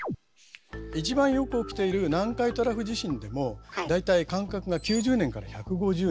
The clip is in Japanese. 一番よく起きている南海トラフ地震でも大体間隔が９０年から１５０年。